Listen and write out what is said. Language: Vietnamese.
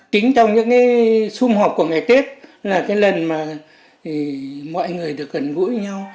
kính trong những cái xung họp của ngày tết là cái lần mà mọi người được gần gũi nhau